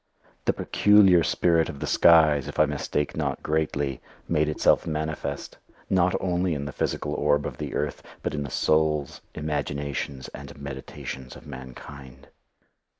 The peculiar spirit of the skies, if I mistake not greatly, made itself manifest, not only in the physical orb of the earth, but in the souls, imaginations, and meditations of mankind.